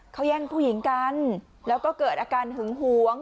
เขาแย่งผู้หญิงกันแล้วก็เกิดอาการหึงหวง